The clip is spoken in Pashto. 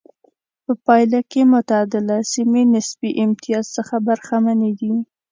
په پایله کې معتدله سیمې نسبي امتیاز څخه برخمنې دي.